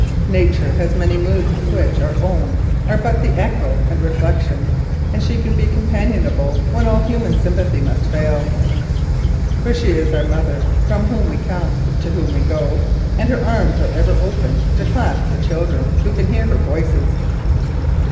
Nature has many moods of which our own are but the echo and reflection, and she can be companionable when all human sympathy must fail. For she is our mother from whom we come, to whom we go, and her arms are ever open to clasp the children who can hear her voices.